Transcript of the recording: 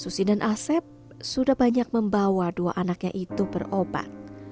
susi dan asep sudah banyak membawa dua anaknya itu berobat